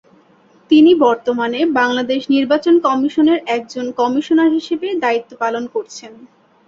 তিনি বর্তমানে বাংলাদেশ নির্বাচন কমিশনের একজন কমিশনার হিসেবে দায়িত্ব পালন করছেন।